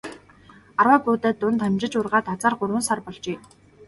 Арвай буудай дунд амжиж ургаад азаар гурван сар болжээ.